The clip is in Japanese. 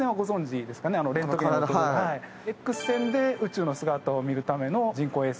Ｘ線で宇宙の姿を見るための人工衛星。